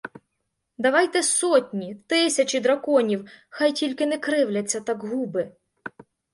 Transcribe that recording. Давайте сотні, тисячі драконів, хай тільки не кривляться так губи.